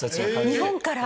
日本から。